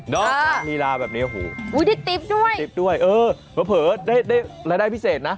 น้องมีราแบบนี้โอ้โหที่ติ๊บด้วยเออมาเผลอได้รายได้พิเศษนะ